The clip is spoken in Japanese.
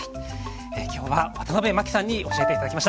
今日はワタナベマキさんに教えて頂きました。